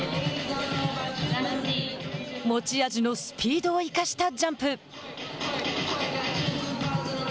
持ち味のスピードを生かしたジャンプ。